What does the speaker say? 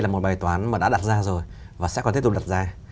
mà đã đặt ra rồi và sẽ còn tiếp tục đặt ra